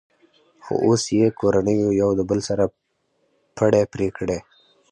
خو اوس یې کورنیو یو د بل سره پړی پرې کړی.